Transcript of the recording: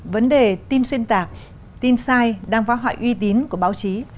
vấn đề tin xuyên tạc tin sai đang phá hoại uy tín của báo chí